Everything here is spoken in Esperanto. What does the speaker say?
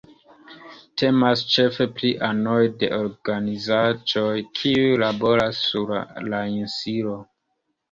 Temas ĉefe pri anoj de organizaĵoj kiuj laboras sur la insulo.